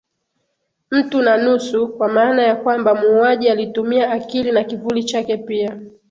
Mtu na nusu kwa maana ya kwamba muuaji alitumia akili na kivuli chake pia